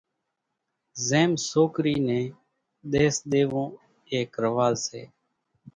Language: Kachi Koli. زيم سوڪرِي نين ۮيس ۮيوون ايڪ رواز سي۔